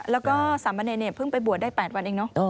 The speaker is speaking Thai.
แล้วก็สามเณรเนี่ยเพิ่งไปบวชได้๘วันเองเนอะ